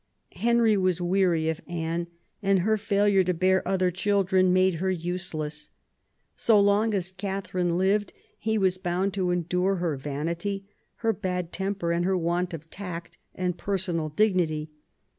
Henry was weary of Anne, and her failure to bear other children made her useless. So long as Catherine lived he was bound to endure her vanity, her bad temper, and her want of tact and personal dignity.